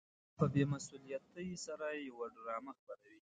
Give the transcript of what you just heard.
په بې مسؤليتۍ سره يوه ډرامه خپروي.